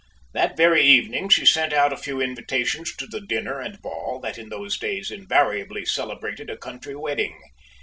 That very evening she sent out a few invitations to the dinner and ball, that in those days invariably celebrated a country wedding.